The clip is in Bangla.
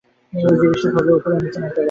এই জিনিসটা সোজা উপরে ও নিচে নামতে পারে।